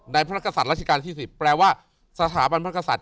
ในพระศักดิ์ศัลราชกาลที่๑๐แปลว่าสถาบันพระศัตริย์